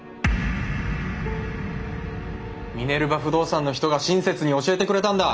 ミネルヴァ不動産の人が親切に教えてくれたんだ！